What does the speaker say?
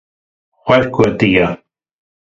Xweş gotiye.